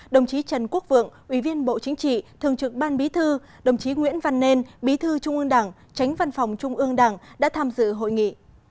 đồng chí trần quốc vượng ủy viên bộ chính trị thường trực ban bí thư đồng chí nguyễn văn nên bí thư trung ương đảng tránh văn phòng trung ương đảng đã tham dự hội nghị